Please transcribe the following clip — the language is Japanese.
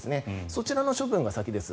そちらの処分が先です。